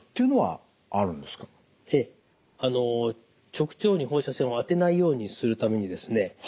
直腸に放射線を当てないようにするためにですね